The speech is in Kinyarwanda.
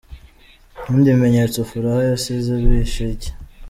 Ibindi bimenyetso Furaha yasize bihishe iki?